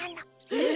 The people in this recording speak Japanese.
えっ？